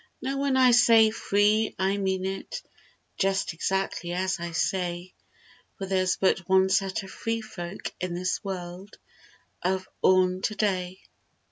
Now when I say free I mean it, Just exactly as I say, For there's but one set of free folk In this world of ourn today.